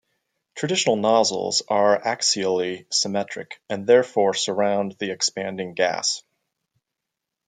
Traditional nozzles are axially symmetric, and therefore surround the expanding gas.